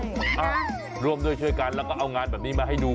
อ่ะร่วมด้วยช่วยกันแล้วก็เอางานแบบนี้มาให้ดู